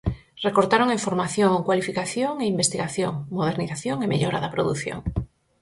Recortaron en formación, cualificación e investigación, modernización e mellora da produción.